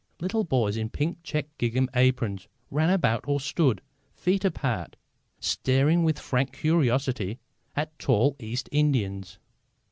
Little boys in pink checked gingham aprons ran about or stood, feet apart, staring with frank curiosity at tall East Indians.